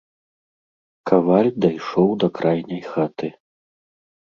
Каваль дайшоў да крайняй хаты.